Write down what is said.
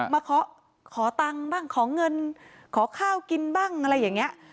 มาขอตังค์บ้างขอเงินขอข้าวกินบ้างอะไรอย่างนี้